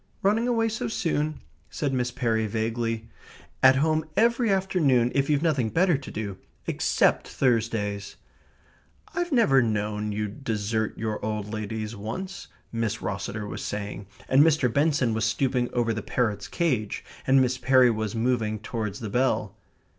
"Running away so soon?" said Miss Perry vaguely. "At home every afternoon, if you've nothing better to do except Thursdays." "I've never known you desert your old ladies once," Miss Rosseter was saying, and Mr. Benson was stooping over the parrot's cage, and Miss Perry was moving towards the bell....